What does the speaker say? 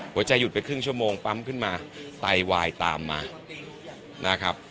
หัวใจหยุดไปครึ่งชั่วโมงปั๊มขึ้นมาไตวายตามมานะครับ